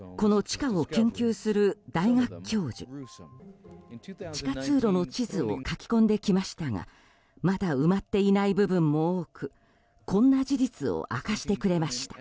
地下通路の地図を書き込んできましたがまだ埋まっていない部分も多くこんな事実を明かしてくれました。